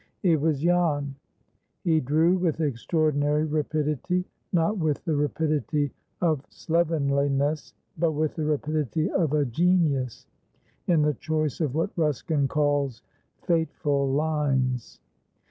It was Jan. He drew with extraordinary rapidity; not with the rapidity of slovenliness, but with the rapidity of a genius in the choice of what Ruskin calls "fateful lines."